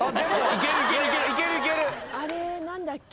あれ何だっけ？